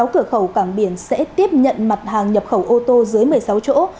sáu cửa khẩu cảng biển sẽ tiếp nhận mặt hàng nhập khẩu ô tô dưới một mươi sáu chỗ